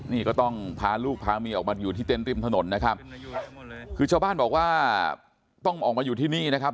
นี่ก็ต้องพาลูกพาเมียออกมาอยู่ที่เต้นริมถนนนะครับคือชาวบ้านบอกว่าต้องออกมาอยู่ที่นี่นะครับ